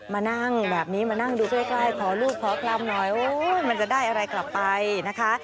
มานั่งแบบนี้มานั่งดูใกล้ขอลูกขอพรหน่อยมันจะได้อะไรกลับไปนะคะ